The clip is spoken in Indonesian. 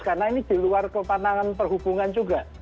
karena ini di luar kepanangan perhubungan juga